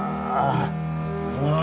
ああ！